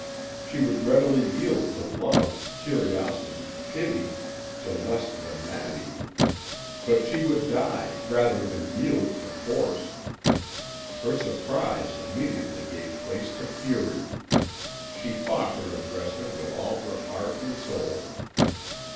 She would readily yield to love, curiosity, pity, to less than that even, but she would die rather than yield to force. Her surprise immediately gave place to fury. She fought her aggressor with all her heart and soul.